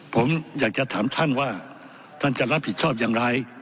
ผมอยากจะถามท่านว่าท่านจะรับผิดชอบอย่างไร